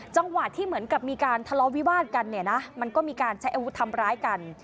จังหวะที่เหมือนกับมีการทะเลาะวิวาดกันเนี่ยนะมันก็มีการใช้อาวุธทำร้ายกัน